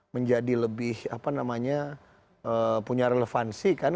menjadi lebih apa namanya punya relevansi kan